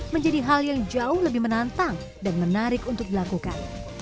menjadi hal yang jauh lebih menantang dan menarik untuk dilakukan